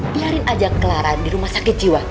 biarin aja clara di rumah sakit jiwa